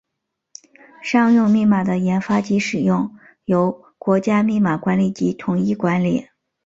商用密码的研发及使用由国家密码管理局统一管理。